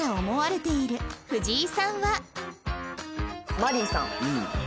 マリーさん。